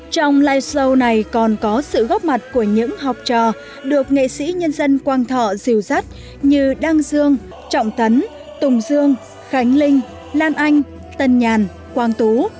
trong live show này còn có sự góp mặt của những học trò được nghệ sĩ nhân dân quang thọ dìu dắt như đăng dương trọng tấn tùng dương khánh linh lan anh tân nhàn quang tú